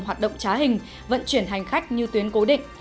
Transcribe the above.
hoạt động trá hình vận chuyển hành khách như tuyến cố định